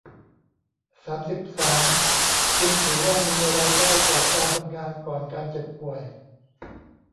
สามสิบสาม จึงถือว่ามีรายได้จากการทำงานก่อนการเจ็บป่วย